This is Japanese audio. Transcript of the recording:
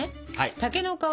竹の皮も。